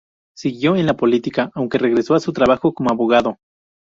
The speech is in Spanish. Siguió en la política, aunque regresó a su trabajo como abogado.